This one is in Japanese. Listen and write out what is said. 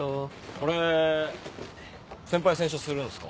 これ先輩洗車するんすか？